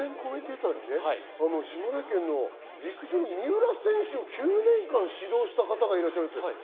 応援コメンテーターに島根県の陸上で三浦選手を９年間指導した方がいらっしゃるんです。